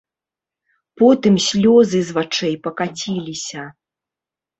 Потым слёзы з вачэй пакаціліся.